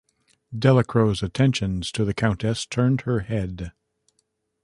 Delacro's attentions to the Countess turn her head.